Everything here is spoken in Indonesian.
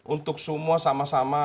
untuk semua sama sama saling memilih